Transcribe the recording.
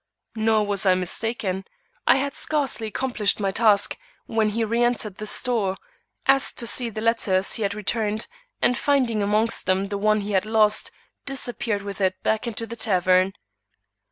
Nor was I mistaken. I had scarcely accomplished my task, when he reëntered the store, asked to see the letters he had returned, and finding amongst them the one he had lost, disappeared with it back to the tavern.